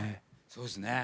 そうですね。